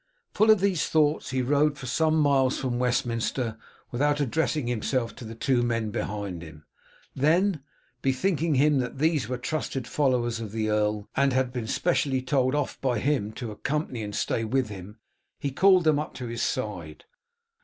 Full of these thoughts he rode for some miles from Westminster without addressing himself to the two men behind him; then, bethinking him that these were trusted followers of the earl, and had been specially told off by him to accompany and stay with him, he called them up to his side.